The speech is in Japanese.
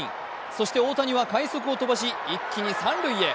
そして大谷は快足を飛ばし一気に三塁へ。